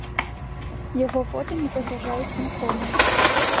Яго фота не пагражаюць нікому.